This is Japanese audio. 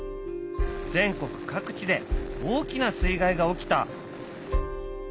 全国各地で大きな水害が起きた。